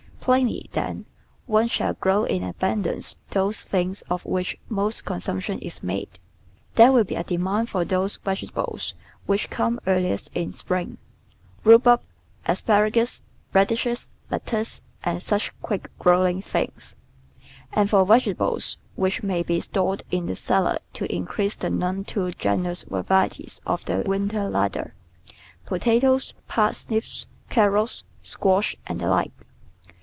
Plainly, PLANNING THE GARDEN then, one should grow in abundance those things of which most consumption is made. There will be a demand for those vegetables which come earliest in spring — rhubarb, asparagus, radishes, lettuce, and such quick growing things; and for vege tables which may be stored in the cellar to increase the none too generous variety of the winter larder — potatoes, parsnips, carrots, squash, and the like.